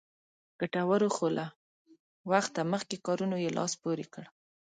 ګټورو خو له وخت مخکې کارونو یې لاس پورې کړ.